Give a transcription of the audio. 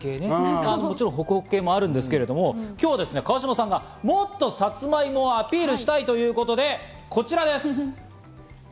もちろんホクホク系もあるんですけど、今日は川島さんがもっとサツマイモをアピールしたいということで、こちらです。